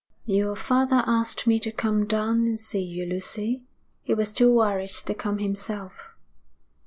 'Your father asked me to come down and see you, Lucy. He was too worried to come himself.'